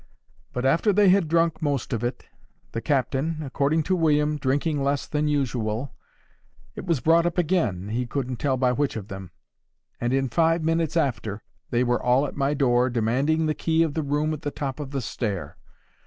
But after they had drunk the most of it—the captain, according to William, drinking less than usual—it was brought up again, he couldn't tell by which of them. And in five minutes after, they were all at my door, demanding the key of the room at the top of the stair.